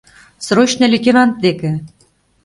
Срочно лейтенант деке!